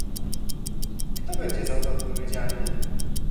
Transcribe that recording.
Kto będzie za to odpowiedzialny?